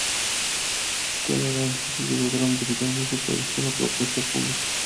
Cuando la noticia llegó a Gran Bretaña se produjo una protesta pública.